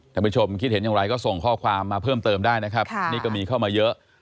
ท่านผู้ชมคิดเห็นอย่างไรก็ส่งข้อความมาเพิ่มเติมได้นะครับนี่ก็มีเข้ามาเยอะ